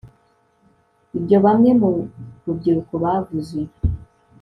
ibyo bamwe mu rubyiruko bavuze